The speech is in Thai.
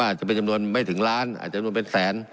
อาจจะเป็นจำนวนไม่ถึงล้านอาจจะจำนวนเป็นแสน